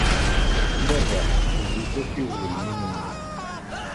Tmerreḥ, tezzi-d akk i ugelmim-nni.